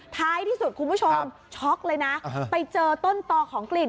ท้ายที่สุดคุณผู้ชมช็อกเลยนะไปเจอต้นต่อของกลิ่น